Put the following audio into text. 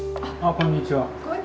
こんにちは。